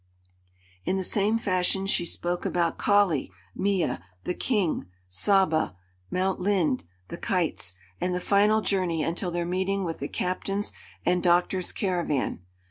In the same fashion she spoke about Kali, Mea, the King, Saba, Mount Linde, the kites, and the final journey until their meeting with the captain's and doctor's caravan.